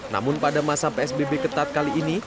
namun pada masa psbb ketat kali ini